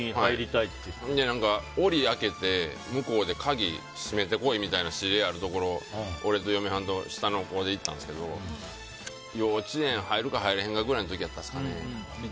檻開けて、向こうで鍵閉めてこいみたいな司令があるところ、俺と嫁はんと下の子で行ったんですけど幼稚園入るか入らないかくらいの時でしたかね。